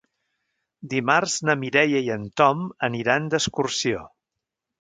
Dimarts na Mireia i en Tom aniran d'excursió.